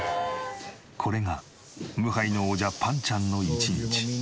これが無敗の王者ぱんちゃんの１日。